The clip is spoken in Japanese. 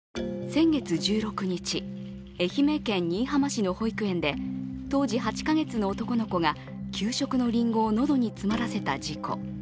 先月１６日、愛媛県新居浜市の保育園で当時、８か月の男の子が給食のりんごを喉に詰まらせた事故。